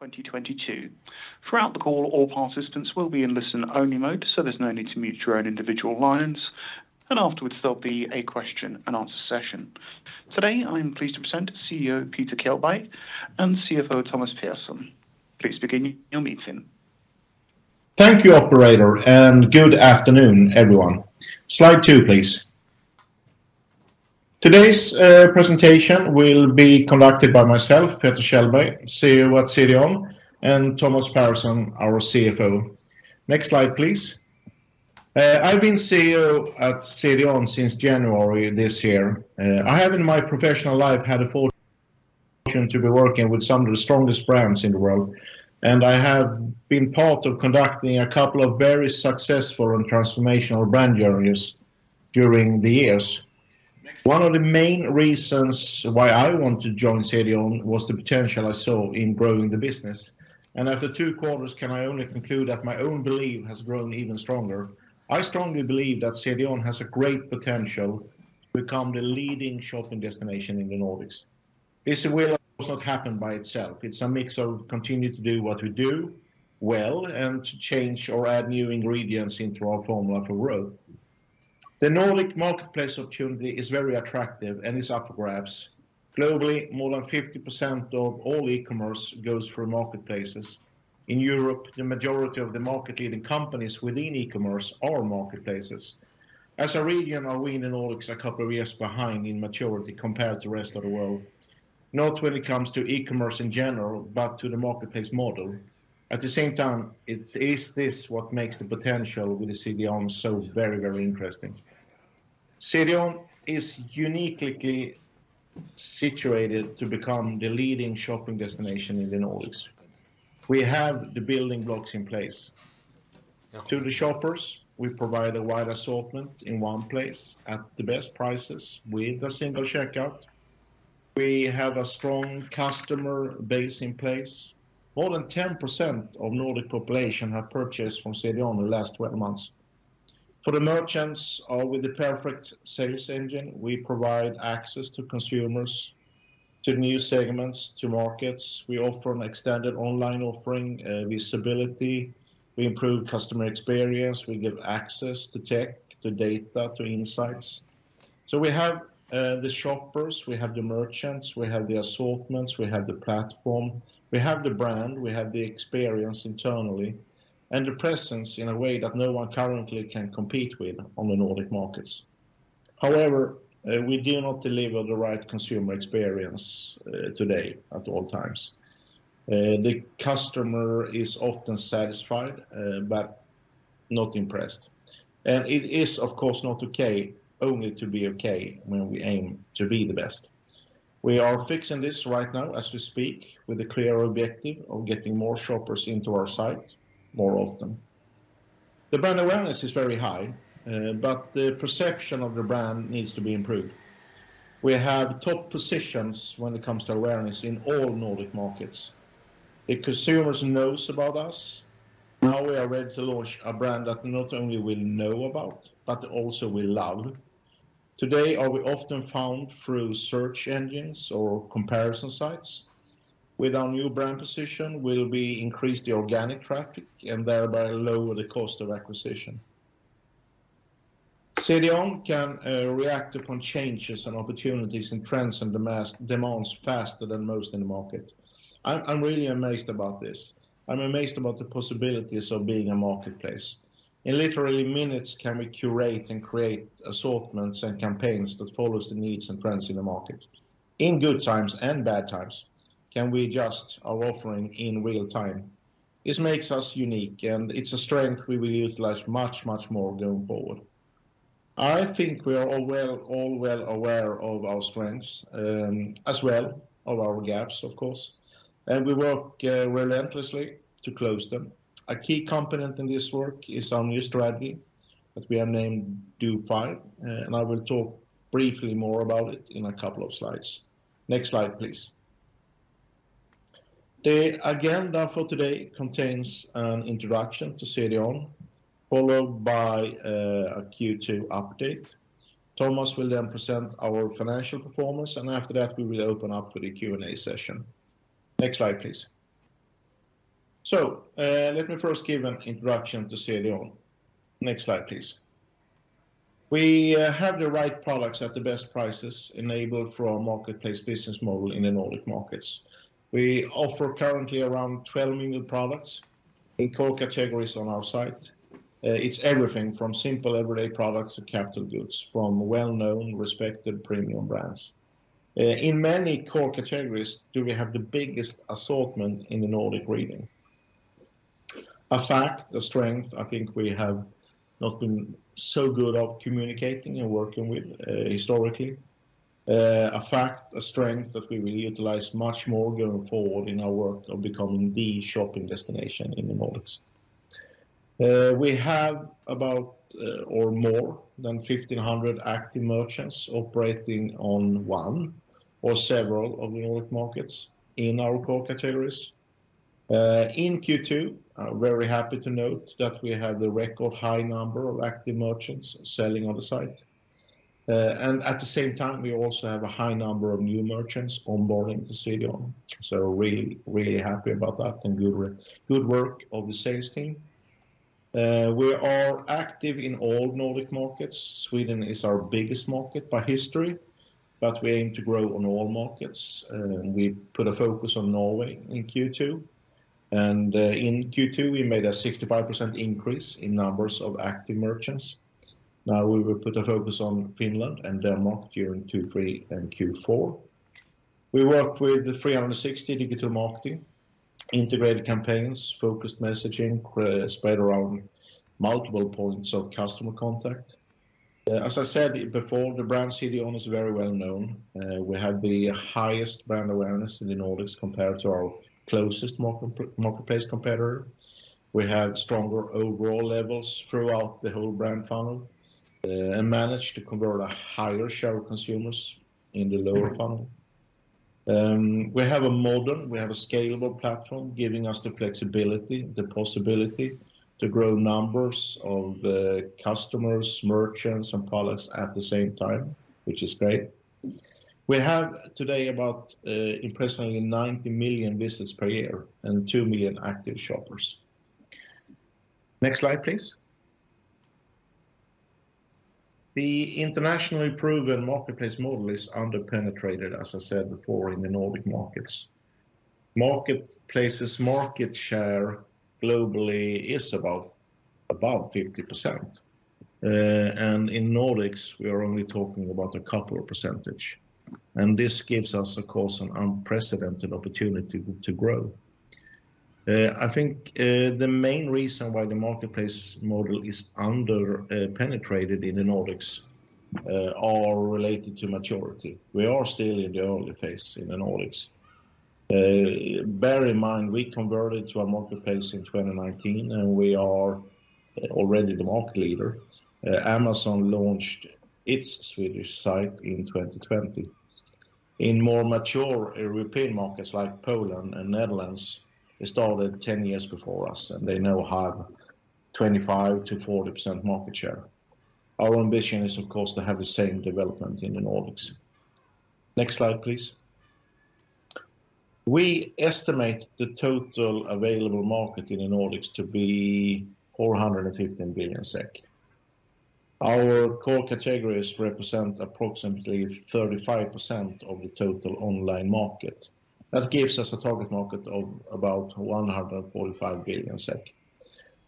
2022. Throughout the call, all participants will be in listen-only mode, so there's no need to mute your own individual lines. Afterwards, there'll be a question and answer session. Today, I'm pleased to present CEO Peter Kjellberg and CFO Thomas Pehrsson. Please begin your meeting. Thank you, operator, and good afternoon, everyone. Slide two, please. Today's presentation will be conducted by myself, Peter Kjellberg, CEO at CDON, and Thomas Pehrsson, our CFO. Next slide, please. I've been CEO at CDON since January this year. I have in my professional life had a fortune to be working with some of the strongest brands in the world, and I have been part of conducting a couple of very successful and transformational brand journeys during the years. One of the main reasons why I want to join CDON was the potential I saw in growing the business, and after two quarters, can I only conclude that my own belief has grown even stronger. I strongly believe that CDON has a great potential to become the leading shopping destination in the Nordics. This will of course not happen by itself. It's a mix of continue to do what we do well and to change or add new ingredients into our formula for growth. The Nordic marketplace opportunity is very attractive and is up for grabs. Globally, more than 50% of all e-commerce goes through marketplaces. In Europe, the majority of the market-leading companies within e-commerce are marketplaces. As a region, we are in the Nordics a couple of years behind in maturity compared to the rest of the world, not when it comes to e-commerce in general, but to the marketplace model. At the same time, it is this what makes the potential with the CDON so very, very interesting. CDON is uniquely situated to become the leading shopping destination in the Nordics. We have the building blocks in place. To the shoppers, we provide a wide assortment in one place at the best prices with a single checkout. We have a strong customer base in place. More than 10% of Nordic population have purchased from CDON in the last 12 months. For the merchants, we are the perfect sales engine. We provide access to consumers, to new segments, to markets. We offer an extended online offering, visibility. We improve customer experience. We give access to tech, to data, to insights. We have the shoppers, we have the merchants, we have the assortments, we have the platform, we have the brand, we have the experience internally, and the presence in a way that no one currently can compete with on the Nordic markets. However, we do not deliver the right consumer experience today at all times. The customer is often satisfied, but not impressed. It is of course not okay only to be okay when we aim to be the best. We are fixing this right now as we speak with a clear objective of getting more shoppers into our site more often. The brand awareness is very high, but the perception of the brand needs to be improved. We have top positions when it comes to awareness in all Nordic markets. The consumers knows about us. Now we are ready to launch a brand that not only will know about, but also will love. Today, we are often found through search engines or comparison sites. With our new brand position, will we increase the organic traffic and thereby lower the cost of acquisition. CDON can react upon changes and opportunities and trends and demands faster than most in the market. I'm really amazed about this. I'm amazed about the possibilities of being a marketplace. In literally minutes can we curate and create assortments and campaigns that follows the needs and trends in the market. In good times and bad times, can we adjust our offering in real time. This makes us unique, and it's a strength we will utilize much, much more going forward. I think we are all well aware of our strengths, as well, of our gaps, of course, and we work relentlessly to close them. A key component in this work is our new strategy that we have named DO5, and I will talk briefly more about it in a couple of slides. Next slide, please. The agenda for today contains an introduction to CDON, followed by a Q2 update. Thomas will then present our financial performance, and after that, we will open up for the Q&A session. Next slide, please. Let me first give an introduction to CDON. Next slide, please. We have the right products at the best prices enabled through our marketplace business model in the Nordic markets. We offer currently around 12 million products in core categories on our site. It's everything from simple everyday products to capital goods from well-known, respected premium brands. In many core categories do we have the biggest assortment in the Nordic region. A fact, a strength I think we have not been so good at communicating and working with, historically. A fact, a strength that we will utilize much more going forward in our work of becoming the shopping destination in the Nordics. We have about or more than 1,500 active merchants operating on one or several of the Nordic markets in our core categories. In Q2 we are very happy to note that we have the record high number of active merchants selling on the site. At the same time, we also have a high number of new merchants onboarding to CDON. Really happy about that and good work of the sales team. We are active in all Nordic markets. Sweden is our biggest market by history, but we aim to grow on all markets. We put a focus on Norway in Q2, and in Q2, we made a 65% increase in numbers of active merchants. Now we will put a focus on Finland and Denmark during Q2, Q3 and Q4. We work with 360 digital marketing, integrated campaigns, focused messaging, spread around multiple points of customer contact. As I said before, the brand CDON is very well known. We have the highest brand awareness in the Nordics compared to our closest marketplace competitor. We have stronger overall levels throughout the whole brand funnel, and managed to convert a higher share of consumers in the lower funnel. We have a model, we have a scalable platform, giving us the flexibility, the possibility to grow numbers of customers, merchants, and products at the same time, which is great. We have today about impressively 90 million visits per year and 2 million active shoppers. Next slide, please. The internationally proven marketplace model is under-penetrated, as I said before, in the Nordic markets. Marketplaces market share globally is about above 50%. In Nordics, we are only talking about a couple of percentage. This gives us, of course, an unprecedented opportunity to grow. I think, the main reason why the marketplace model is underpenetrated in the Nordics are related to maturity. We are still in the early phase in the Nordics. Bear in mind, we converted to a marketplace in 2019, and we are already the market leader. Amazon launched its Swedish site in 2020. In more mature European markets like Poland and Netherlands, they started 10 years before us, and they now have 25%-40% market share. Our ambition is, of course, to have the same development in the Nordics. Next slide, please. We estimate the total available market in the Nordics to be 415 billion SEK. Our core categories represent approximately 35% of the total online market. That gives us a target market of about 145 billion SEK.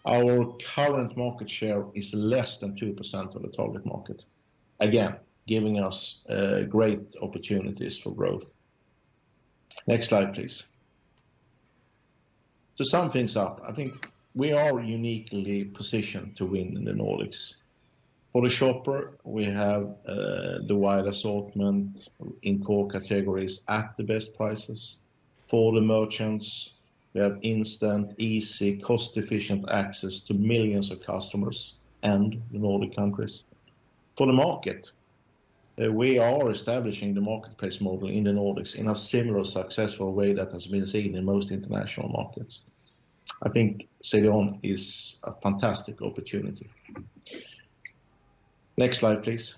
Our current market share is less than 2% of the target market, again, giving us great opportunities for growth. Next slide, please. To sum things up, I think we are uniquely positioned to win in the Nordics. For the shopper, we have the wide assortment in core categories at the best prices. For the merchants, we have instant, easy, cost-efficient access to millions of customers and the Nordic countries. For the market, we are establishing the marketplace model in the Nordics in a similar successful way that has been seen in most international markets. I think CDON is a fantastic opportunity. Next slide, please.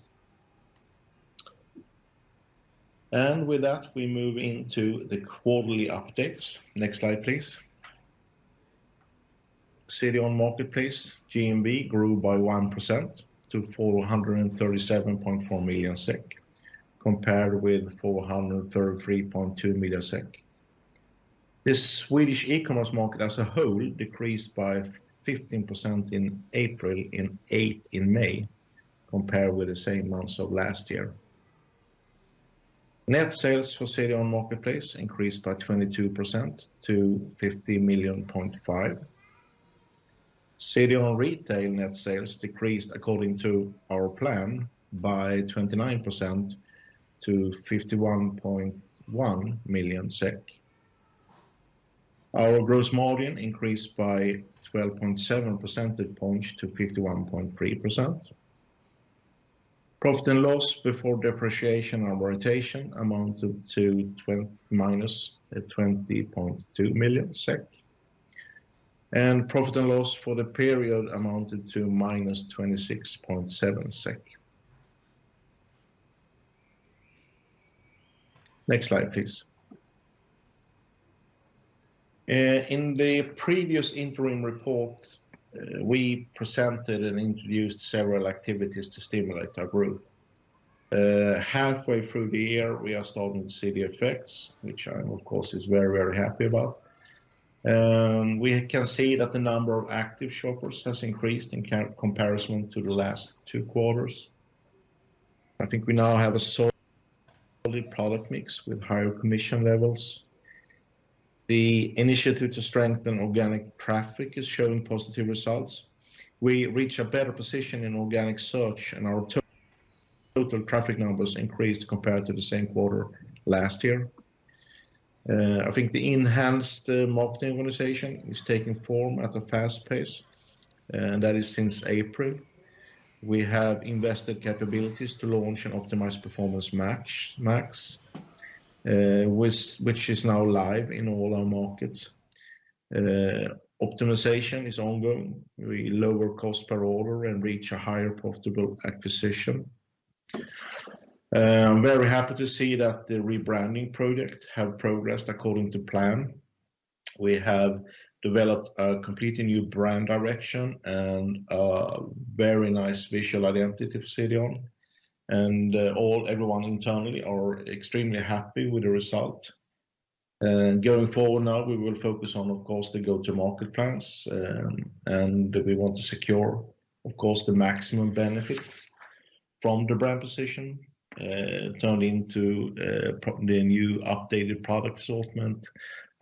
With that, we move into the quarterly updates. Next slide, please. CDON Marketplace GMV grew by 1% to 437.4 million SEK, compared with 433.2 million SEK. The Swedish e-commerce market as a whole decreased by 15% in April and 8% in May, compared with the same months of last year. Net sales for CDON Marketplace increased by 22% to 50.5 million. CDON Retail net sales decreased according to our plan by 29% to 51.1 million SEK. Our gross margin increased by 12.7 percentage points to 51.3%. Profit and loss before depreciation and amortization amounted to minus 20.2 million SEK. Profit and loss for the period amounted to minus 26.7 million SEK. Next slide, please. In the previous interim report, we presented and introduced several activities to stimulate our growth. Halfway through the year, we are starting to see the effects, which I, of course, is very, very happy about. We can see that the number of active shoppers has increased in comparison to the last two quarters. I think we now have a solid product mix with higher commission levels. The initiative to strengthen organic traffic is showing positive results. We reach a better position in organic search, and our total traffic numbers increased compared to the same quarter last year. I think the enhanced marketing organization is taking form at a fast pace, and that is since April. We have invested capabilities to launch an optimized Performance Max, which is now live in all our markets. Optimization is ongoing. We lower cost per order and reach a higher profitable acquisition. I'm very happy to see that the rebranding project have progressed according to plan. We have developed a completely new brand direction and very nice visual identity for CDON. Everyone internally are extremely happy with the result. Going forward now, we will focus on, of course, the go-to-market plans, and we want to secure, of course, the maximum benefit from the brand position turned into the new updated product assortment,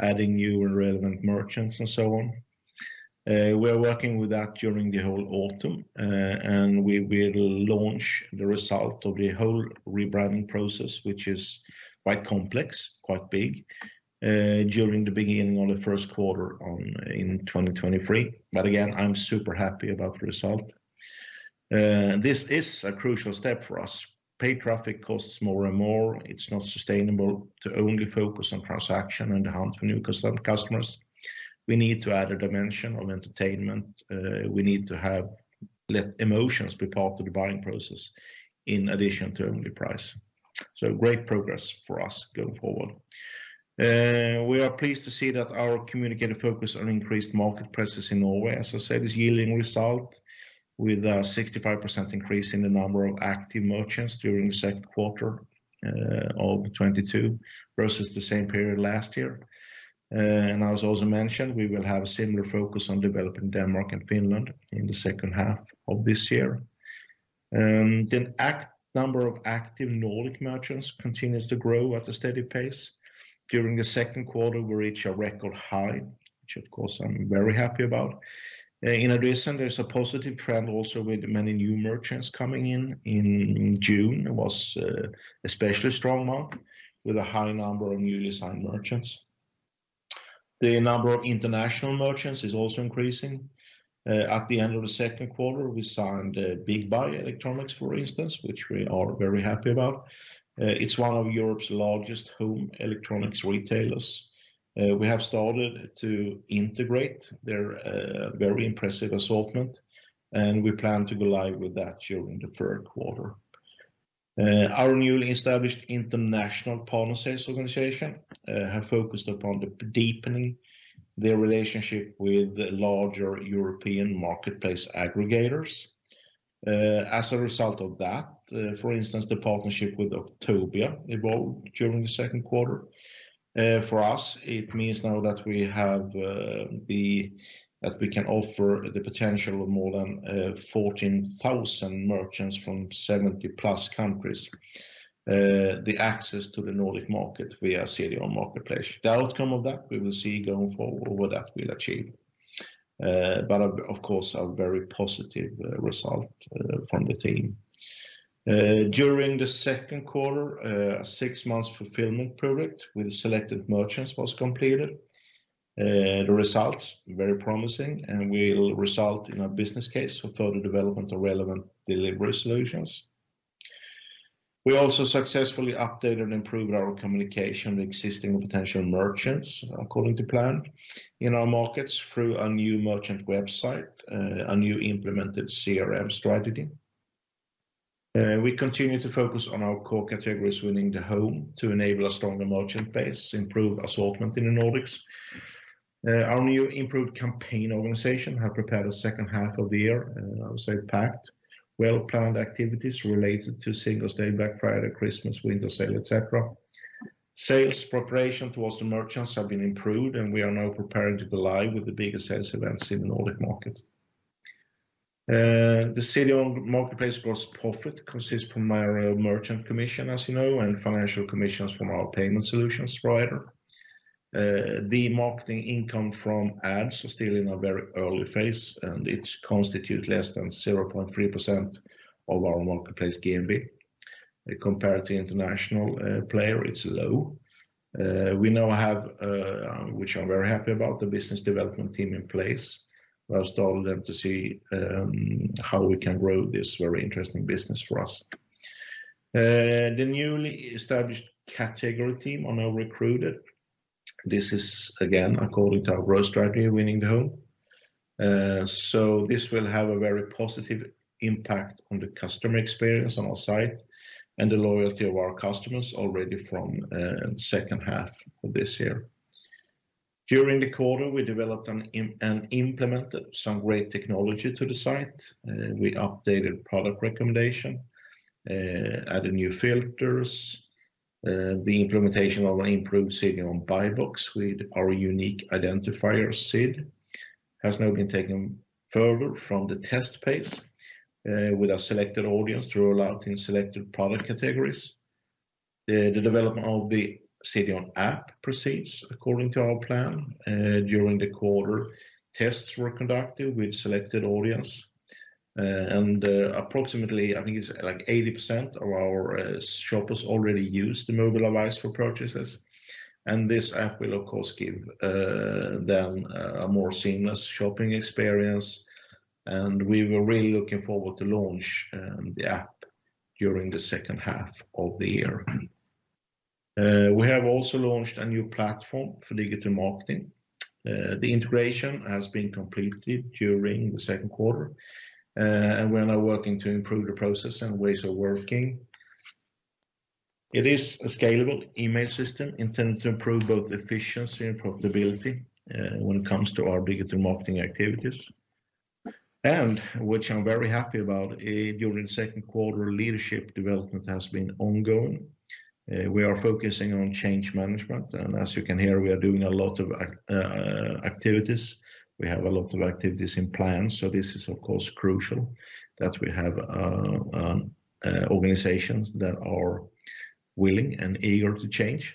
adding new and relevant merchants, and so on. We are working with that during the whole autumn, and we will launch the result of the whole rebranding process, which is quite complex, quite big, during the beginning of the first quarter in 2023. Again, I'm super happy about the result. This is a crucial step for us. Paid traffic costs more and more. It's not sustainable to only focus on transaction and hunt for new customers. We need to add a dimension of entertainment. We need to have emotions be part of the buying process in addition to only price. Great progress for us going forward. We are pleased to see that our communicated focus on increased market presence in Norway, as I said, is yielding result with a 65% increase in the number of active merchants during the second quarter of 2022 versus the same period last year. I also mentioned we will have a similar focus on developing Denmark and Finland in the second half of this year. The number of active Nordic merchants continues to grow at a steady pace. During the second quarter, we reach a record high, which of course I'm very happy about. In addition, there's a positive trend also with many new merchants coming in. In June was especially strong month with a high number of newly signed merchants. The number of international merchants is also increasing. At the end of the second quarter, we signed BigBuy Electronics, for instance, which we are very happy about. It's one of Europe's largest home electronics retailers. We have started to integrate their very impressive assortment, and we plan to go live with that during the third quarter. Our newly established international partner sales organization have focused upon the deepening their relationship with the larger European marketplace aggregators. As a result of that, for instance, the partnership with Octopia evolved during the second quarter. For us, it means now that we can offer the potential of more than 14,000 merchants from 70+ countries the access to the Nordic market via CDON marketplace. The outcome of that we will see going forward what that will achieve. Of course, a very positive result from the team. During the second quarter, six-month fulfillment project with selected merchants was completed. The results very promising, and will result in a business case for further development of relevant delivery solutions. We also successfully updated and improved our communication with existing potential merchants according to plan in our markets through a new merchant website, a new implemented CRM strategy. We continue to focus on our core categories winning the home to enable a stronger merchant base, improve assortment in the Nordics. Our new improved campaign organization have prepared the second half of the year, and I would say packed, well-planned activities related to Singles' Day, Black Friday, Christmas, winter sale, et cetera. Sales preparation towards the merchants have been improved, and we are now preparing to go live with the biggest sales events in the Nordic market. The CDON marketplace gross profit consists from our merchant commission, as you know, and financial commissions from our payment solutions provider. The marketing income from ads are still in a very early phase, and it constitute less than 0.3% of our marketplace GMV. Compared to international player, it's low. We now have, which I'm very happy about, the business development team in place. We have told them to see how we can grow this very interesting business for us. The newly established category team are now recruited. This is again according to our growth strategy, winning the home. This will have a very positive impact on the customer experience on our site and the loyalty of our customers already from second half of this year. During the quarter, we developed and implemented some great technology to the site. We updated product recommendation, added new filters. The implementation of an improved CDON buy box with our unique identifier CID has now been taken further from the test phase, with a selected audience to roll out in selected product categories. The development of the CDON app proceeds according to our plan. During the quarter, tests were conducted with selected audience. Approximately, I think it's like 80% of our shoppers already use the mobile device for purchases. This app will of course give them a more seamless shopping experience and we were really looking forward to launch the app during the second half of the year. We have also launched a new platform for digital marketing. The integration has been completed during the second quarter, and we're now working to improve the process and ways of working. It is a scalable email system intended to improve both efficiency and profitability when it comes to our digital marketing activities. Which I'm very happy about, during the second quarter, leadership development has been ongoing. We are focusing on change management and as you can hear, we are doing a lot of activities. We have a lot of activities in plan, so this is of course crucial that we have organizations that are willing and eager to change.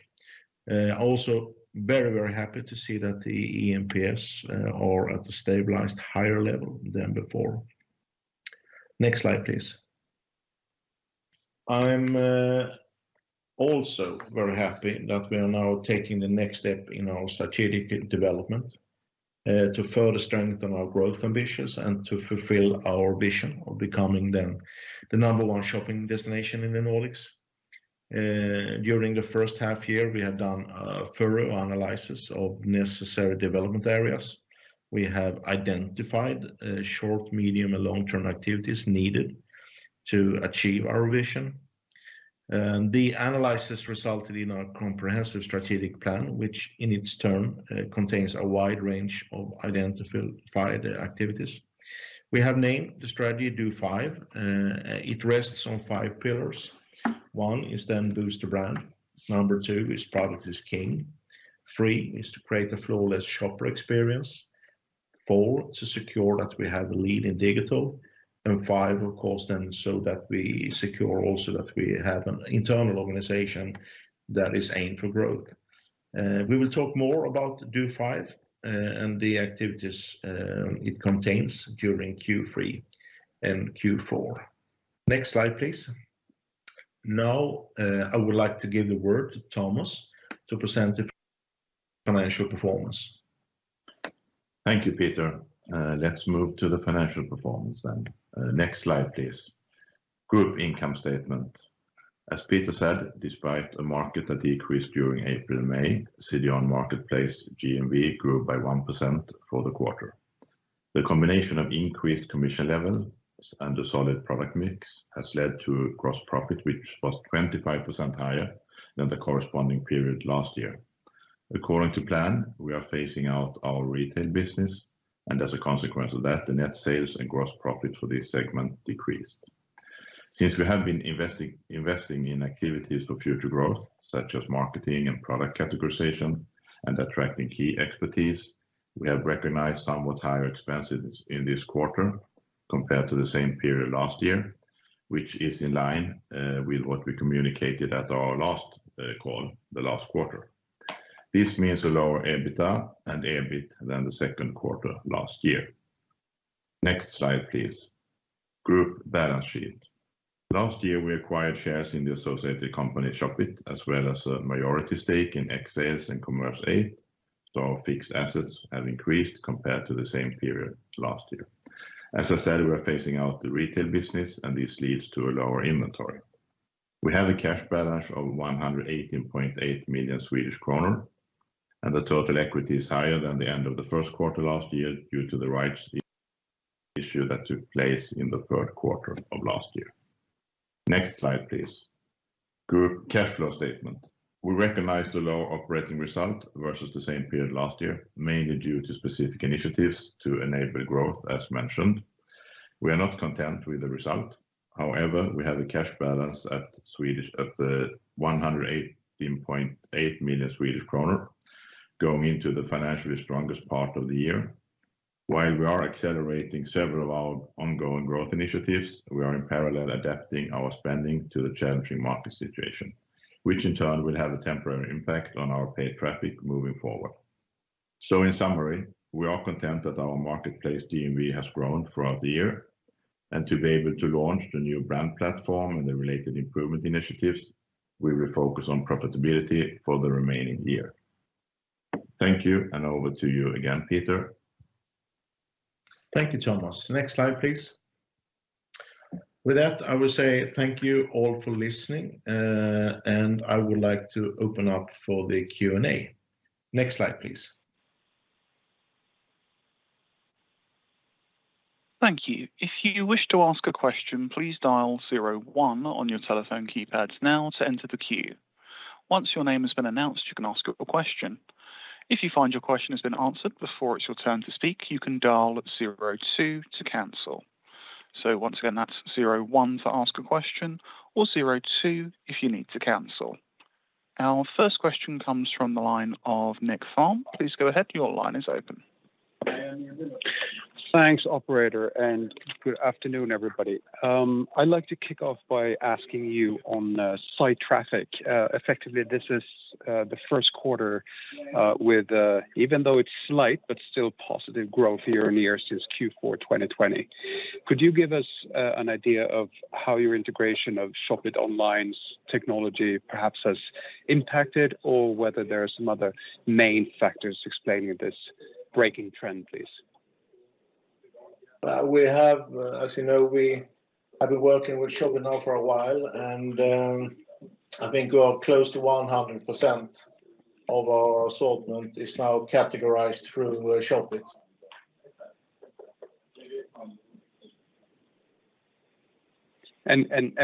Also very, very happy to see that the eNPS are at a stabilized higher level than before. Next slide, please. I'm also very happy that we are now taking the next step in our strategic development to further strengthen our growth ambitions and to fulfill our vision of becoming then the number one shopping destination in the Nordics. During the first half year, we have done a thorough analysis of necessary development areas. We have identified short, medium, and long-term activities needed to achieve our vision. The analysis resulted in a comprehensive strategic plan which in its term contains a wide range of identified activities. We have named the strategy DO5, it rests on five pillars. One is then boost the brand. Number two is product is king. Three is to create a flawless shopper experience. Four, to secure that we have a lead in digital. Five, of course, then so that we secure also that we have an internal organization that is aimed for growth. We will talk more about DO5 and the activities it contains during Q3 and Q4. Next slide, please. Now, I would like to give the word to Thomas to present the financial performance. Thank you, Peter. Let's move to the financial performance then. Next slide, please. Group income statement. As Peter Kjellberg said, despite a market that decreased during April and May, CDON Marketplace GMV grew by 1% for the quarter. The combination of increased commission levels and a solid product mix has led to gross profit, which was 25% higher than the corresponding period last year. According to plan, we are phasing out our retail business, and as a consequence of that, the net sales and gross profit for this segment decreased. Since we have been investing in activities for future growth, such as marketing and product categorization and attracting key expertise, we have recognized somewhat higher expenses in this quarter compared to the same period last year, which is in line with what we communicated at our last call, the last quarter. This means a lower EBITDA and EBIT than the second quarter last year. Next slide, please. Group balance sheet. Last year, we acquired shares in the associated company Shopit as well as a majority stake in xales and Commerce 8, so our fixed assets have increased compared to the same period last year. As I said, we are phasing out the retail business, and this leads to a lower inventory. We have a cash balance of 118.8 million Swedish kronor, and the total equity is higher than the end of the first quarter last year due to the rights issue that took place in the third quarter of last year. Next slide, please. Group cash flow statement. We recognize the low operating result versus the same period last year, mainly due to specific initiatives to enable growth as mentioned. We are not content with the result. However, we have a cash balance of 118.8 million Swedish kronor going into the financially strongest part of the year. While we are accelerating several of our ongoing growth initiatives, we are in parallel adapting our spending to the challenging market situation, which in turn will have a temporary impact on our paid traffic moving forward. In summary, we are content that our marketplace GMV has grown throughout the year and to be able to launch the new brand platform and the related improvement initiatives, we will focus on profitability for the remaining year. Thank you, and over to you again, Peter. Thank you, Thomas. Next slide, please. With that, I will say thank you all for listening, and I would like to open up for the Q&A. Next slide, please. Thank you. If you wish to ask a question, please dial zero one on your telephone keypads now to enter the queue. Once your name has been announced, you can ask a question. If you find your question has been answered before it's your turn to speak, you can dial zero two to cancel. Once again, that's zero one to ask a question or zero two if you need to cancel. Our first question comes from the line of Nicklas. Please go ahead, your line is open. Thanks, operator, and good afternoon, everybody. I'd like to kick off by asking you on site traffic. Effectively, this is the first quarter with even though it's slight but still positive growth year-over-year since Q4 2020. Could you give us an idea of how your integration of Shopit online's technology perhaps has impacted or whether there are some other main factors explaining this breaking trend, please? We have, as you know, we have been working with Shopit now for a while. I think we are close to 100% of our assortment is now categorized through Shopit.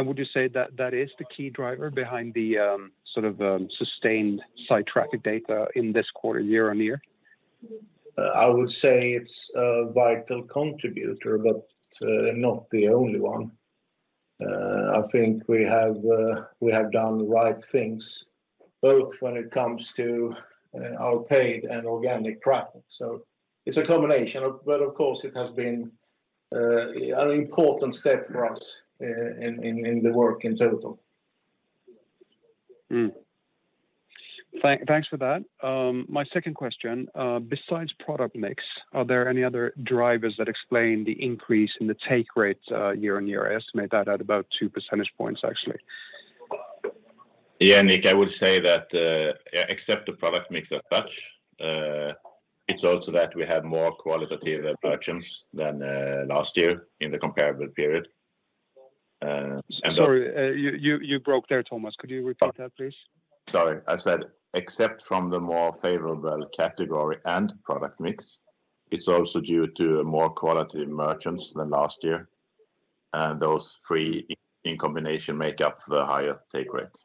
Would you say that that is the key driver behind the sort of sustained site traffic data in this quarter year on year? I would say it's a vital contributor, but not the only one. I think we have done the right things both when it comes to our paid and organic traffic. It's a combination but of course it has been an important step for us in the work in total. Thanks for that. My second question, besides product mix, are there any other drivers that explain the increase in the take rate, year-on-year? I estimate that at about two percentage points, actually. Yeah, Nick, I would say that, except the product mix as such, it's also that we have more qualitative merchants than last year in the comparable period. Sorry, you broke there, Thomas. Could you repeat that, please? Sorry. I said except for the more favorable category and product mix, it's also due to more quality merchants than last year, and those three in combination make up the higher take rate.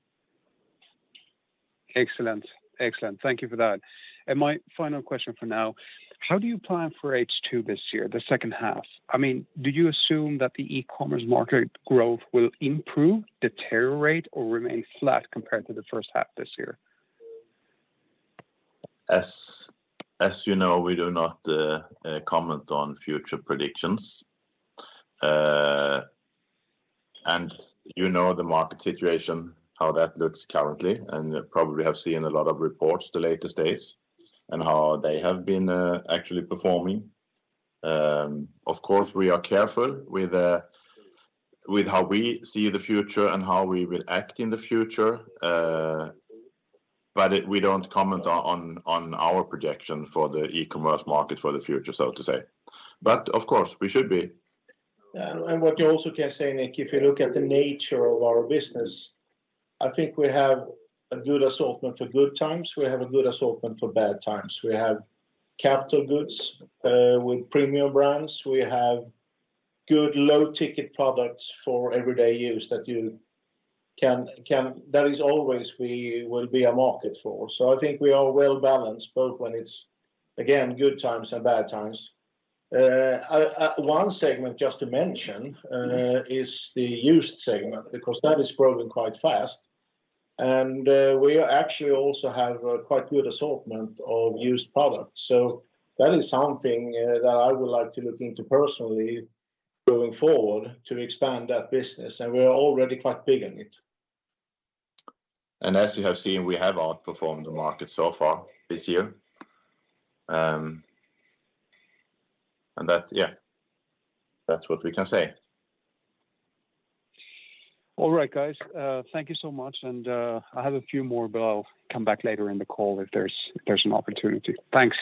Excellent. Thank you for that. My final question for now, how do you plan for H2 this year, the second half? I mean, do you assume that the e-commerce market growth will improve, deteriorate, or remain flat compared to the first half this year? As you know, we do not comment on future predictions. You know the market situation, how that looks currently, and you probably have seen a lot of reports the latest days and how they have been actually performing. Of course, we are careful with how we see the future and how we will act in the future. We don't comment on our projection for the e-commerce market for the future, so to say. Of course, we should be. Yeah, what you also can say, Nick, if you look at the nature of our business, I think we have a good assortment for good times. We have a good assortment for bad times. We have capital goods with premium brands. We have good low-ticket products for everyday use. There is always a market for. I think we are well-balanced both when it's, again, good times and bad times. One segment just to mention is the used segment, because that is growing quite fast. We actually also have a quite good assortment of used products. That is something that I would like to look into personally going forward to expand that business, and we are already quite big in it. As you have seen, we have outperformed the market so far this year. That, yeah, that's what we can say. All right, guys, thank you so much. I have a few more, but I'll come back later in the call if there's an opportunity. Thanks.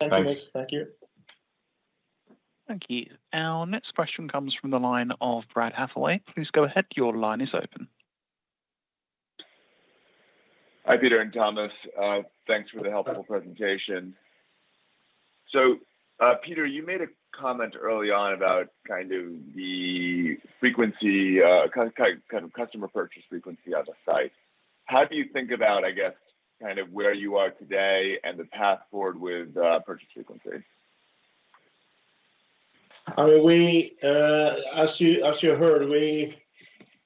Thanks. Thanks. Thank you. Thank you. Our next question comes from the line of Brad Hathaway. Please go ahead. Your line is open. Hi, Peter and Thomas. Thanks for the helpful presentation. Peter, you made a comment early on about kind of the frequency, kind of customer purchase frequency on the site. How do you think about, I guess, kind of where you are today and the path forward with purchase frequency? I mean, as you heard,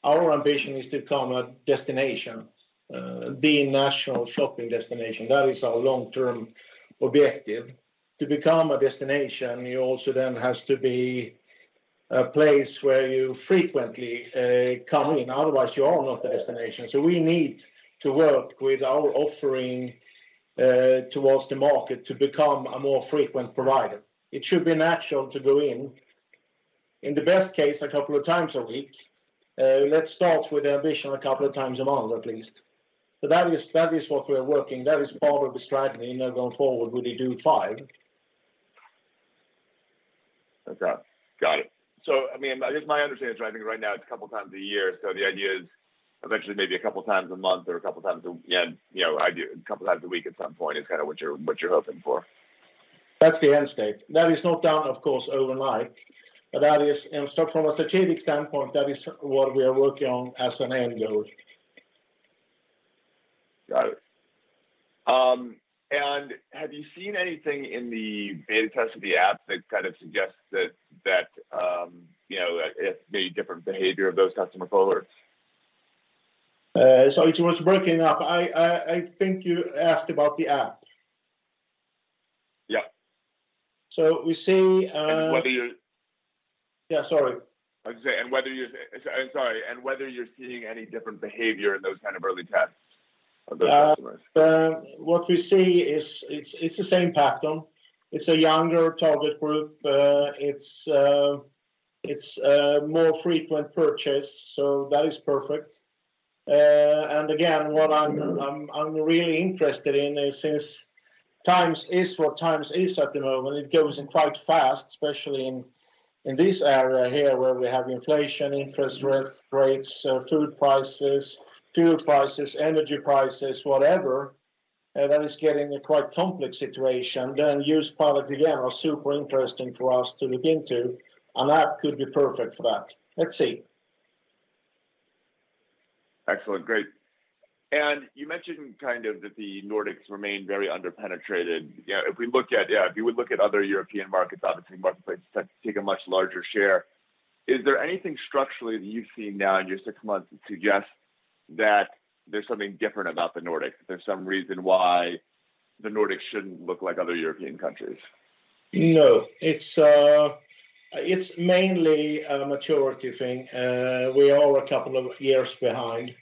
our ambition is to become a destination, the national shopping destination. That is our long-term objective. To become a destination, you also then has to be a place where you frequently come in. Otherwise, you are not a destination. We need to work with our offering towards the market to become a more frequent provider. It should be natural to go in the best case, a couple of times a week. Let's start with the ambition a couple of times a month at least. That is what we are working. That is part of the strategy now going forward with DO5. Okay. Got it. I mean, I guess my understanding is I think right now it's a couple of times a year. The idea is eventually maybe a couple of times a month or a couple of times a week at some point is kind of what you're hoping for. That's the end state. That is not done, of course, overnight. That is, you know, from a strategic standpoint, that is what we are working on as an end goal. Got it. Have you seen anything in the beta test of the app that kind of suggests that you know the different behavior of those customer cohorts? Sorry, it was breaking up. I think you asked about the app. Yeah. We see, And whether you're- Yeah, sorry. I'm sorry, whether you're seeing any different behavior in those kind of early tests? What we see is it's the same pattern. It's a younger target group. It's a more frequent purchase, so that is perfect. Again, what I'm- Mm-hmm. I'm really interested in is since times is what times is at the moment, it goes in quite fast, especially in this area here where we have inflation, interest rates. Mm-hmm.... rates, food prices, fuel prices, energy prices, whatever, that is getting a quite complex situation. Used product again are super interesting for us to look into, and app could be perfect for that. Let's see. Excellent. Great. You mentioned kind of that the Nordics remain very under-penetrated. You know, if you would look at other European markets, obviously marketplaces tend to take a much larger share. Is there anything structurally that you've seen now in your six months that suggests that there's something different about the Nordic? There's some reason why the Nordic shouldn't look like other European countries? No. It's mainly a maturity thing. We are a couple of years behind.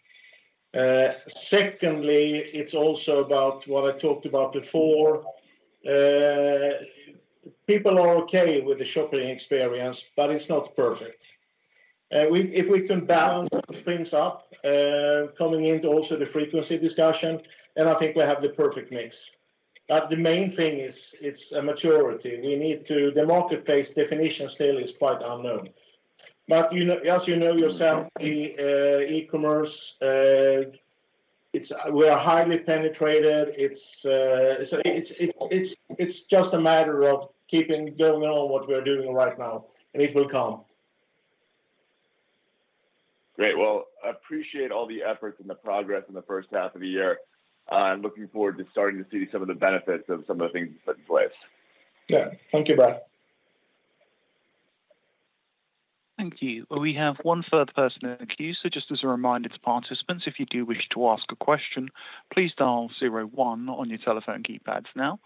Secondly, it's also about what I talked about before. People are okay with the shopping experience, but it's not perfect. If we can balance things up, coming into also the frequency discussion, then I think we have the perfect mix. The main thing is it's a maturity. The marketplace definition still is quite unknown. You know, as you know yourself, the e-commerce we are highly penetrated. It's just a matter of keeping going on what we are doing right now, and it will come. Great. Well, I appreciate all the efforts and the progress in the first half of the year. I'm looking forward to starting to see some of the benefits of some of the things you've put in place. Yeah. Thank you, Brad Hathaway. Thank you. We have one third person in the queue. Just as a reminder to participants, if you do wish to ask a question, please dial zero one on your telephone keypads now.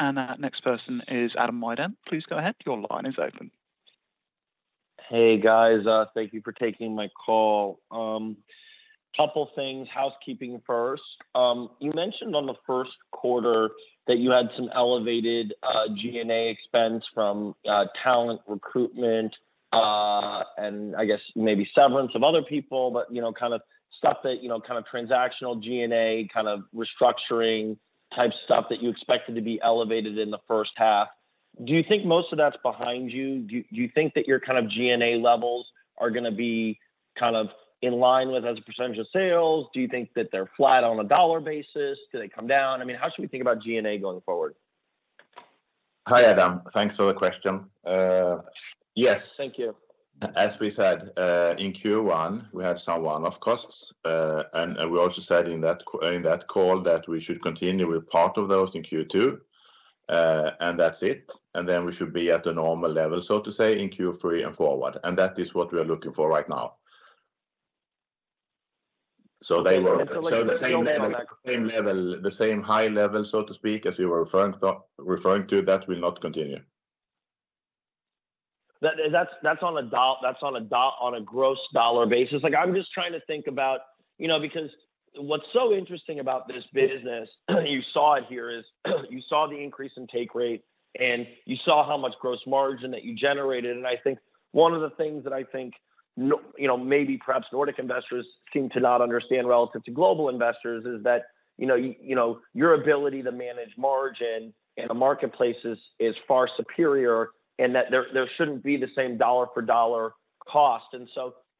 Our next person is Adam Wyden. Please go ahead. Your line is open. Hey, guys. Thank you for taking my call. Couple things. Housekeeping first. You mentioned on the first quarter that you had some elevated G&A expense from talent recruitment and I guess maybe severance of other people, but you know, kind of stuff that you know, kind of transactional G&A, kind of restructuring type stuff that you expected to be elevated in the first half. Do you think most of that's behind you? Do you think that your kind of G&A levels are gonna be kind of in line with as a percentage of sales? Do you think that they're flat on a dollar basis? Do they come down? I mean, how should we think about G&A going forward? Hi, Adam. Thanks for the question. Yes. Thank you. As we said, in Q1, we had some one-off costs. We also said in that call that we should continue with part of those in Q2, and that's it. We should be at a normal level, so to say, in Q3 and forward, and that is what we are looking for right now. The same high level, so to speak, as you were referring to, that will not continue. That's on a gross dollar basis. Like, I'm just trying to think about, you know, because what's so interesting about this business, you saw it here, is you saw the increase in take rate, and you saw how much gross margin that you generated. I think one of the things that I think, you know, maybe perhaps Nordic investors seem to not understand relative to global investors is that, you know, your ability to manage margin in the marketplace is far superior and that there shouldn't be the same dollar for dollar cost. You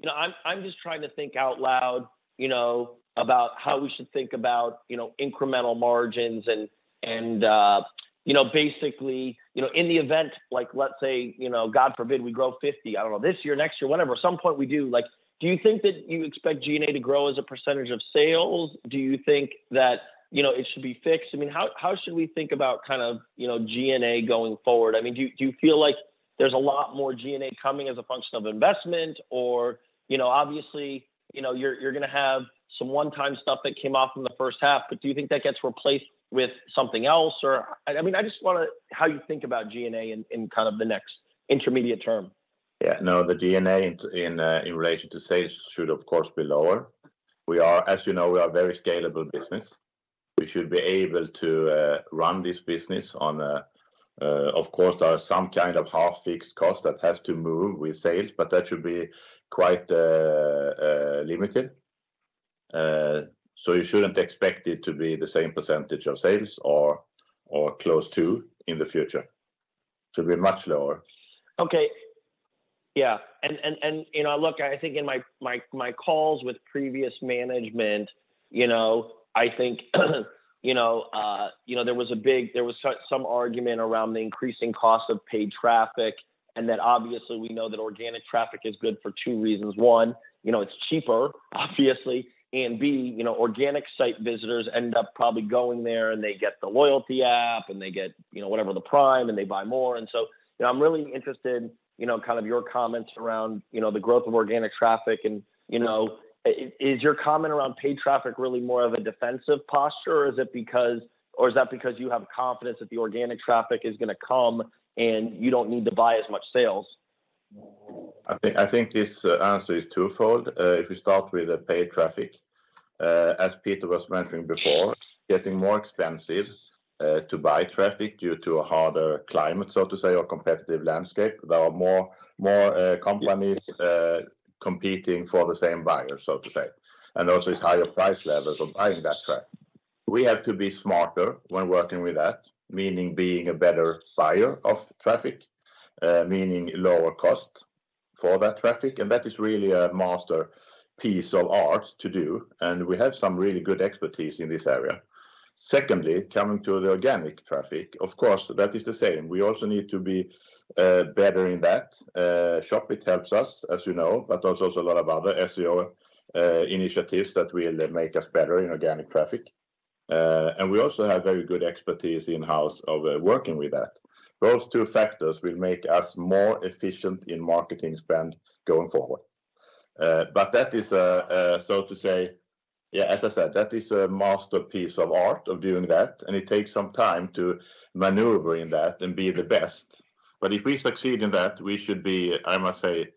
know, I'm just trying to think out loud, you know, about how we should think about, you know, incremental margins and, you know, basically, you know, in the event, like, let's say, you know, God forbid we grow 50%, I don't know, this year, next year, whenever, some point we do. Like, do you think that you expect G&A to grow as a percentage of sales? Do you think that, you know, it should be fixed? I mean, how should we think about kind of, you know, G&A going forward? I mean, do you feel like there's a lot more G&A coming as a function of investment or, you know, obviously, you know, you're gonna have some one-time stuff that came off in the first half, but do you think that gets replaced with something else? I mean, I just wanna know how you think about G&A in kind of the next intermediate term? Yeah. No, the G&A in relation to sales should, of course, be lower. We are, as you know, a very scalable business. We should be able to run this business on, of course, some kind of half-fixed cost that has to move with sales, but that should be quite limited. You shouldn't expect it to be the same percentage of sales or close to in the future. Should be much lower. Okay. Yeah. You know, look, I think in my calls with previous management, you know, I think, you know, there was some argument around the increasing cost of paid traffic, and that obviously we know that organic traffic is good for two reasons. One, you know, it's cheaper, obviously, and B, you know, organic site visitors end up probably going there, and they get the loyalty app, and they get, you know, whatever, the Prime, and they buy more. You know, I'm really interested, you know, in kind of your comments around, you know, the growth of organic traffic and, you know, is your comment around paid traffic really more of a defensive posture, or is it because- Is that because you have confidence that the organic traffic is gonna come and you don't need to buy as much sales? I think this answer is twofold. If you start with the paid traffic, as Peter was mentioning before, getting more expensive to buy traffic due to a harder climate, so to say, or competitive landscape. There are more companies competing for the same buyer, so to say. Also it's higher price levels of buying that traffic. We have to be smarter when working with that, meaning being a better buyer of traffic, meaning lower cost for that traffic, and that is really a masterpiece of art to do, and we have some really good expertise in this area. Secondly, coming to the organic traffic, of course, that is the same. We also need to be better in that. Shopit helps us, as you know, but also a lot of other SEO initiatives that will make us better in organic traffic. We also have very good expertise in-house of working with that. Those two factors will make us more efficient in marketing spend going forward. That is, so to say. Yeah, as I said, that is a masterpiece of art of doing that, and it takes some time to maneuver in that and be the best. If we succeed in that, we should be, I must say,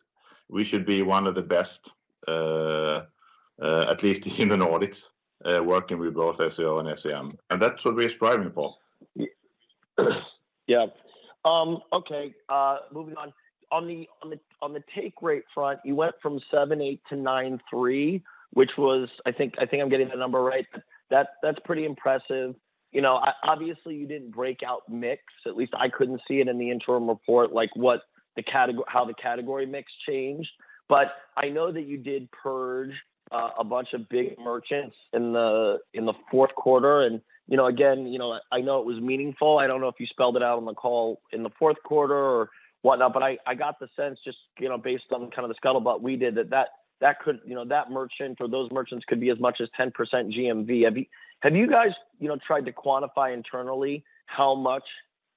one of the best, at least in the Nordics, working with both SEO and SEM, and that's what we're striving for. Yeah. Okay. Moving on. On the take rate front, you went from 7.8%-9.3%, which was, I think, I'm getting the number right. That's pretty impressive. You know, obviously, you didn't break out mix. At least I couldn't see it in the interim report, like, how the category mix changed. But I know that you did purge a bunch of big merchants in the fourth quarter. You know, again, I know it was meaningful. I don't know if you spelled it out on the call in the fourth quarter or whatnot, but I got the sense, you know, based on kind of the scuttlebutt we did that that could, you know, that merchant or those merchants could be as much as 10% GMV. Have you guys, you know, tried to quantify internally how much?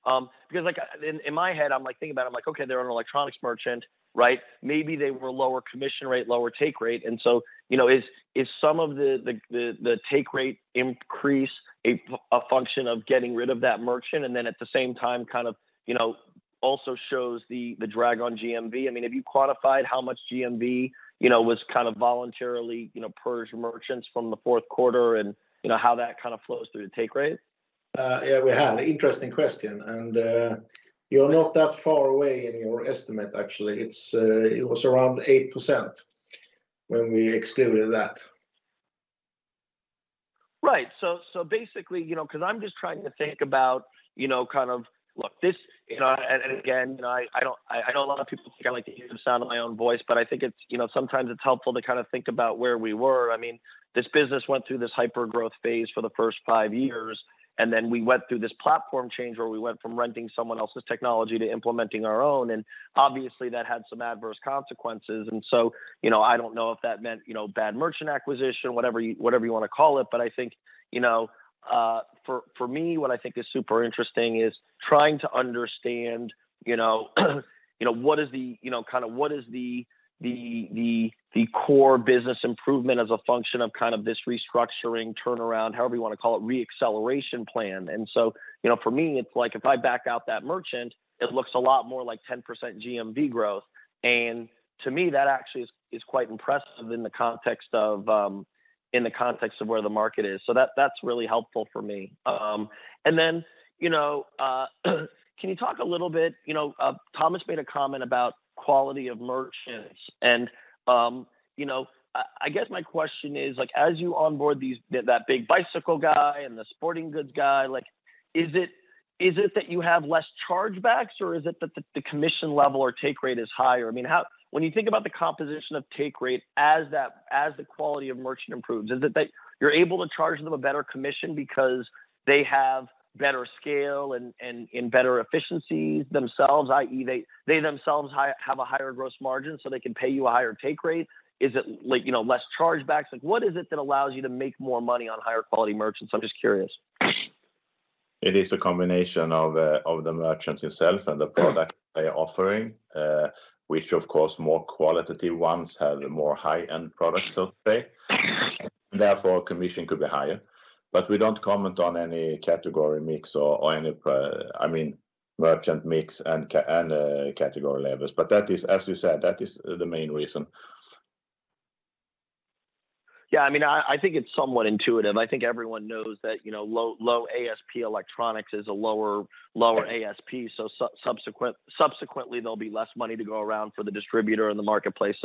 Because, like, in my head, I'm like, thinking about it, I'm like, okay, they're an electronics merchant, right? Maybe they were lower commission rate, lower take rate. You know, is some of the take rate increase a function of getting rid of that merchant, and then at the same time kind of, you know, also shows the drag on GMV? I mean, have you quantified how much GMV, you know, was kind of voluntarily, you know, purged merchants from the fourth quarter and, you know, how that kind of flows through the take rate? Yeah, we have. Interesting question. You're not that far away in your estimate, actually. It was around 8% when we excluded that. Right. Basically, you know, 'cause I'm just trying to think about, you know, kind of, look, this. You know, and again, you know, I don't know a lot of people think I like to hear the sound of my own voice, but I think it's, you know, sometimes it's helpful to kind of think about where we were. I mean, this business went through this hyper growth phase for the first five years, and then we went through this platform change where we went from renting someone else's technology to implementing our own, and obviously that had some adverse consequences. You know, I don't know if that meant, you know, bad merchant acquisition, whatever you wanna call it. I think, you know, for me, what I think is super interesting is trying to understand, you know, what is the kind of core business improvement as a function of kind of this restructuring turnaround, however you wanna call it, re-acceleration plan. You know, for me, it's like if I back out that merchant, it looks a lot more like 10% GMV growth. To me, that actually is quite impressive in the context of where the market is. That's really helpful for me. You know, can you talk a little bit? You know, Thomas made a comment about quality of merchants, and you know, I guess my question is, like, as you onboard these, that big bicycle guy and the sporting goods guy, like, is it that you have less chargebacks, or is it that the commission level or take rate is higher? I mean, how? When you think about the composition of take rate as that, as the quality of merchant improves, is it that you're able to charge them a better commission because they have better scale and better efficiencies themselves, i.e., they themselves have a higher gross margin so they can pay you a higher take rate? Is it, like, you know, less chargebacks? Like, what is it that allows you to make more money on higher quality merchants? I'm just curious. It is a combination of the merchants itself and the product they are offering, which of course more qualitative ones have more high-end products out there. Therefore, commission could be higher. We don't comment on any category mix or I mean, merchant mix and category levels. That is, as you said, the main reason. Yeah. I mean, I think it's somewhat intuitive. I think everyone knows that, you know, low ASP electronics is a lower ASP, so subsequently there'll be less money to go around for the distributor and the marketplace.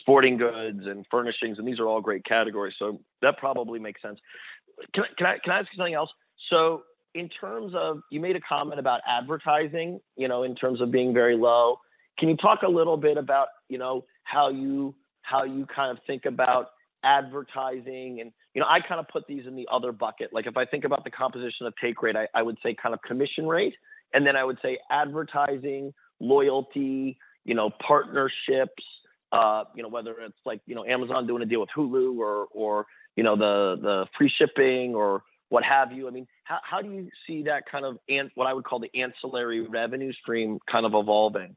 Sporting goods and furnishings, and these are all great categories, so that probably makes sense. Can I ask you something else? You made a comment about advertising, you know, in terms of being very low. Can you talk a little bit about, you know, how you kind of think about advertising. You know, I kind of put these in the other bucket. Like, if I think about the composition of take rate, I would say kind of commission rate, and then I would say advertising, loyalty, you know, partnerships, you know, whether it's like, you know, Amazon doing a deal with Hulu or, you know, the free shipping or what have you. I mean, how do you see that kind of what I would call the ancillary revenue stream kind of evolving?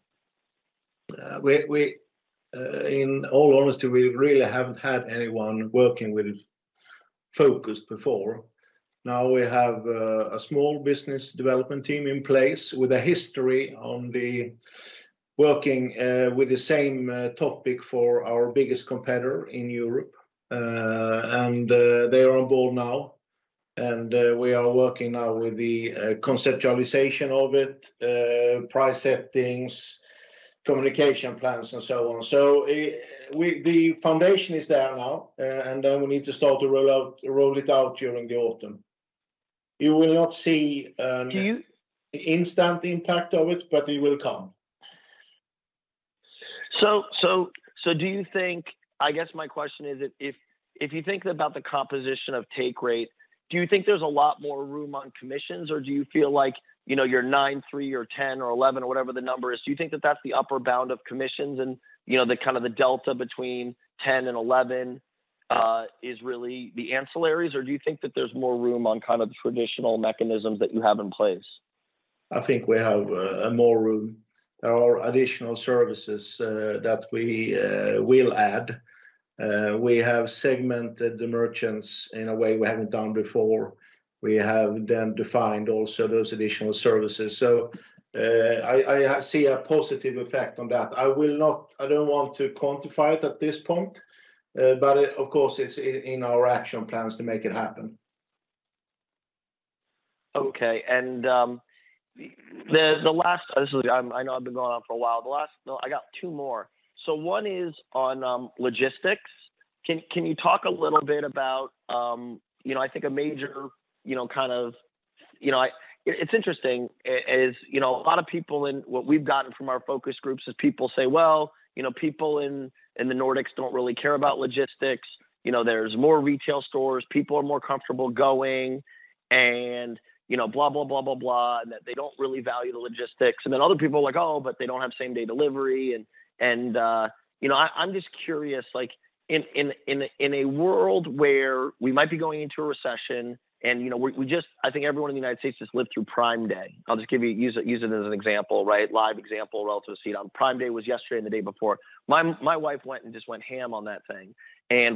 We in all honesty, we really haven't had anyone working with Focused before. Now we have a small business development team in place with a history of working with the same topic for our biggest competitor in Europe. They are on board now. We are working now with the conceptualization of it, price settings, communication plans and so on. The foundation is there now, and then we need to start to roll it out during the autumn. You will not see Do you- Instant impact of it, but it will come. Do you think I guess my question is if you think about the composition of take rate, do you think there's a lot more room on commissions, or do you feel like, you know, your 9.3% or 10% or 11% or whatever the number is, do you think that that's the upper bound of commissions and, you know, the kind of the delta between 10% and 11%, is really the ancillaries? or do you think that there's more room on kind of the traditional mechanisms that you have in place? I think we have more room. There are additional services that we will add. We have segmented the merchants in a way we haven't done before. We have then defined also those additional services. I see a positive effect on that. I don't want to quantify it at this point, but of course, it's in our action plans to make it happen. I know I've been going on for a while. No, I got two more. One is on logistics. Can you talk a little bit about, you know, I think a major, you know, kind of, you know, it's interesting, you know, what we've gotten from our focus groups is people say, "Well, you know, people in the Nordics don't really care about logistics. You know, there's more retail stores, people are more comfortable going, and, you know, blah, blah, blah," and that they don't really value the logistics. Other people are like, "Oh, but they don't have same-day delivery." You know, I'm just curious, like, in a world where we might be going into a recession and, you know, we just I think everyone in the United States just lived through Prime Day. I'll just use it as an example, right? Live example relative to CDON. Prime Day was yesterday and the day before. My wife went and just went ham on that thing.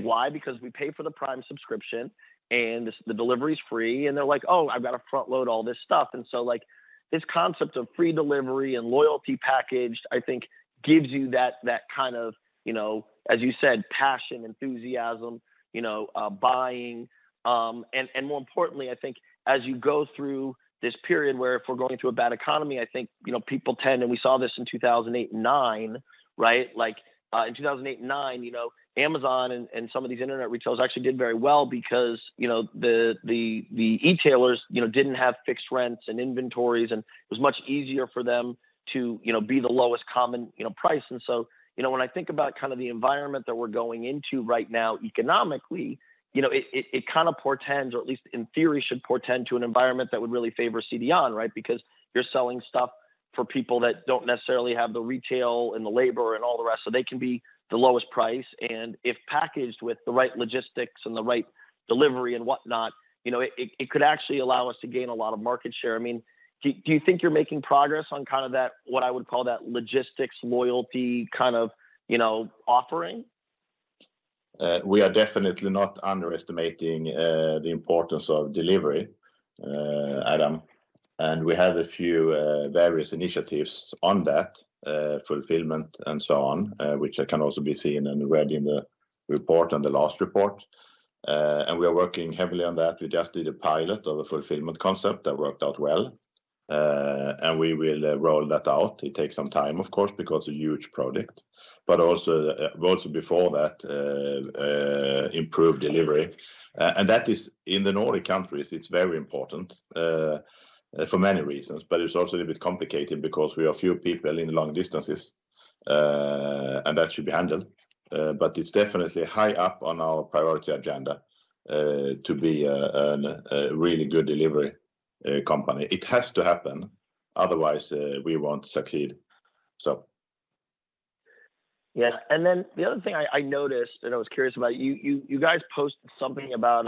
Why? Because we pay for the Prime subscription, and the delivery is free, and they're like, "Oh, I've got to front load all this stuff." Like, this concept of free delivery and loyalty packaged, I think gives you that kind of, you know, as you said, passion, enthusiasm, you know, buying. And more importantly, I think as you go through this period where if we're going through a bad economy, I think, you know, people tend, and we saw this in 2008 and 2009, right? Like, in 2008 and 2009, you know, Amazon and some of these internet retailers actually did very well because, you know, the e-tailers, you know, didn't have fixed rents and inventories, and it was much easier for them to, you know, be the lowest common, you know, price. You know, when I think about kind of the environment that we're going into right now economically, you know, it kind of portends, or at least in theory should portend to an environment that would really favor CDON, right? Because you're selling stuff for people that don't necessarily have the retail and the labor and all the rest, so they can be the lowest price. If packaged with the right logistics and the right delivery and whatnot, you know, it could actually allow us to gain a lot of market share. I mean, do you think you're making progress on kind of that, what I would call that logistics loyalty kind of, you know, offering? We are definitely not underestimating the importance of delivery, Adam. We have a few various initiatives on that, fulfillment and so on, which can also be seen and read in the report, on the last report. We are working heavily on that. We just did a pilot of a fulfillment concept that worked out well, and we will roll that out. It takes some time, of course, because a huge project, but also before that, improve delivery. That is, in the Nordic countries, it's very important, for many reasons, but it's also a little bit complicated because we are few people in long distances, and that should be handled. It's definitely high up on our priority agenda, to be a really good delivery company. It has to happen, otherwise, we won't succeed, so. Yeah. The other thing I noticed and I was curious about, you guys posted something about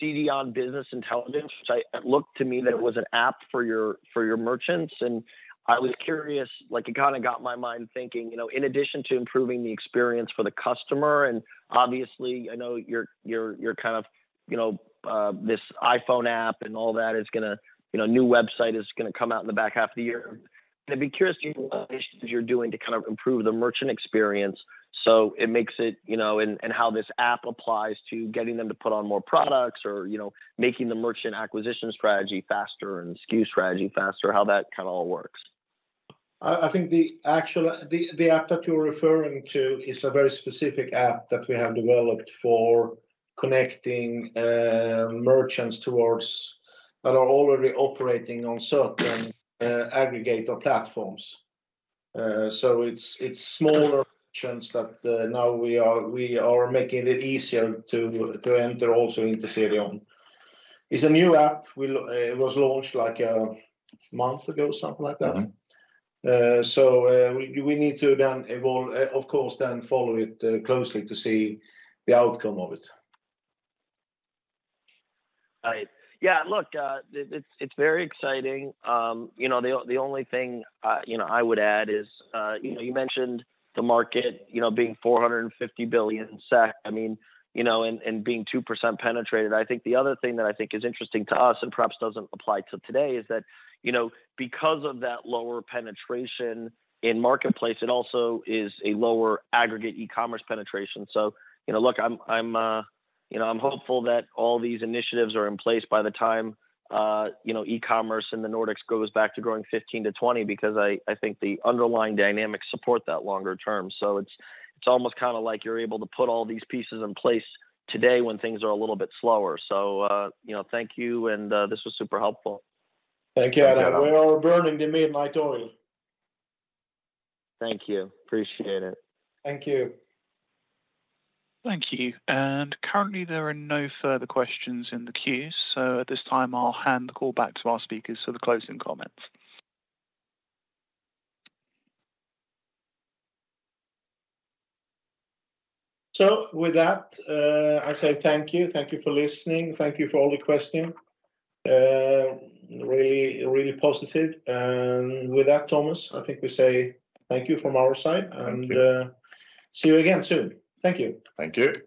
CDON Business Intelligence, which it looked to me that it was an app for your merchants, and I was curious, like, it kinda got my mind thinking, you know, in addition to improving the experience for the customer, and obviously, I know your kind of, you know, this iPhone app and all that is gonna. You know, new website is gonna come out in the back half of the year. I'd be curious to hear what initiatives you're doing to kind of improve the merchant experience, so it makes it, you know, and how this app applies to getting them to put on more products or, you know, making the merchant acquisition strategy faster and SKU strategy faster, how that kind of all works. I think the app that you're referring to is a very specific app that we have developed for connecting merchants that are already operating on certain aggregator platforms. It's smaller merchants that now we are making it easier to enter also into CDON. It's a new app. It was launched, like, a month ago, something like that. Mm-hmm. We need to then evolve, of course, then follow it closely to see the outcome of it. Right. Yeah, look, it's very exciting. You know, the only thing you know, I would add is, you know, you mentioned the market, you know, being 450 billion SEK, I mean, you know, and being 2% penetrated. I think the other thing that I think is interesting to us and perhaps doesn't apply to today is that, you know, because of that lower penetration in marketplace, it also is a lower aggregate e-commerce penetration. You know, look, I'm hopeful that all these initiatives are in place by the time, you know, e-commerce in the Nordics goes back to growing 15%-20% because I think the underlying dynamics support that longer term. It's almost kinda like you're able to put all these pieces in place today when things are a little bit slower. You know, thank you, and this was super helpful. Thank you, Adam. Thank you, Adam. We are burning the midnight oil. Thank you. Appreciate it. Thank you. Thank you. Currently there are no further questions in the queue, so at this time, I'll hand the call back to our speakers for the closing comments. With that, I say thank you. Thank you for listening. Thank you for all the question. Really positive. With that, Thomas, I think we say thank you from our side. Thank you. See you again soon. Thank you. Thank you.